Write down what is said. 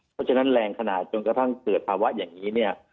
เพราะฉะนั้นแรงขนาดจนกระทั่งเกิดภาวะอย่างนี้เนี่ย